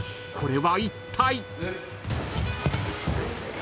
［これはいったい？］